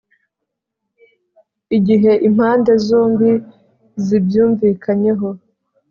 igihe impande zombi zibyumvikanyeho